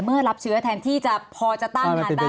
เมื่อรับเชื้อแทนที่พอจะตั้งงานได้